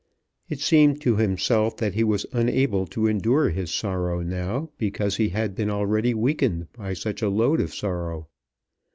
It seemed to himself that he was unable to endure his sorrow now because he had been already weakened by such a load of sorrow.